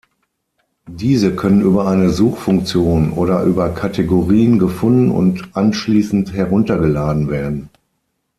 Diese können über eine Suchfunktion oder über Kategorien gefunden und anschließend heruntergeladen werden.